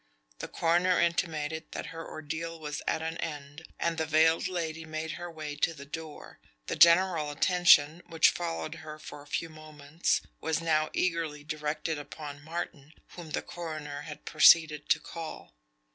The coroner intimated that her ordeal was at an end, and the veiled lady made her way to the door. The general attention, which followed her for a few moments, was now eagerly directed upon Martin, whom the coroner had proceeded to call.